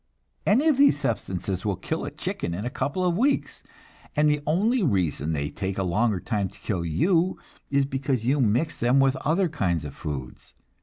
Any of these substances will kill a chicken in a couple of weeks, and the only reason they take a longer time to kill you is because you mix them with other kinds of foods.